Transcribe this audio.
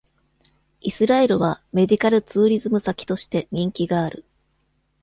イスラエルは、メディカル・ツーリズム先として人気がある。